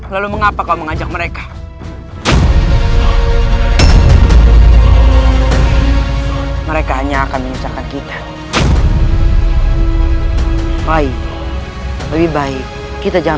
lalu mengapa kau mengajak mereka mereka hanya akan menyusahkan kita baik lebih baik kita jangan